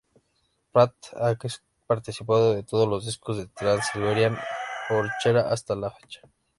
Plate ha participado de todos los discos de Trans-Siberian Orchestra hasta la fecha.